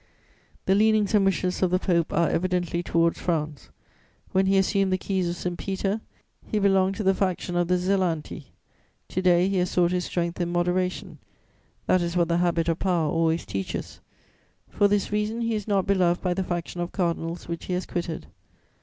"The leanings and wishes of the Pope are evidently towards France: when he assumed the Keys of St. Peter, he belonged to the faction of the zelanti; to day he has sought his strength in moderation: that is what the habit of power always teaches. For this reason he is not beloved by the faction of cardinals which he has quitted.